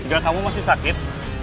gak kamu masih sakit